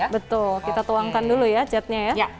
betul kita tuangkan dulu ya catnya ya